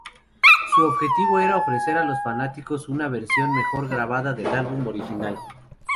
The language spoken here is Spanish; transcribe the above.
Su objetivo era ofrecer a los fanáticos una versión mejor grabada del álbum original.